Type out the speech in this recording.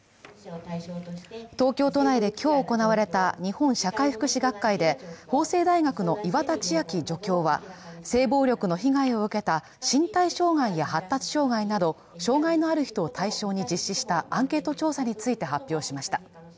東京都内で今日行われた日本社会福祉学会で法政大学の岩田千亜紀助教は、性暴力の被害を受けた身体障害や発達障害など障害のある人を対象に実施したアンケート調査について発表しました。